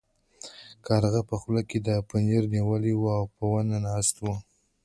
کارغه په خوله کې پنیر نیولی و او په ونه ناست و.